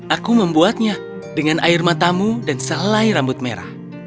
aku membuatnya dengan air matamu dan selai rambut merah